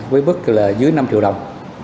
với mức là dưới năm triệu đồng